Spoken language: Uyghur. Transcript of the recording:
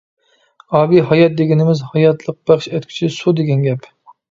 -ئابىھايات دېگىنىمىز ھاياتلىق بەخش ئەتكۈچى سۇ دېگەن گەپ.